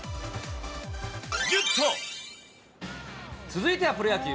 続いてはプロ野球。